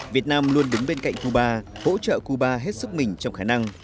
việt nam luôn đứng bên cạnh cuba hỗ trợ cuba hết sức mình trong khả năng